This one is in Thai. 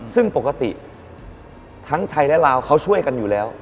ซึ่งปกติทั้งไทยและลาวเขาช่วยกันอยู่แล้ว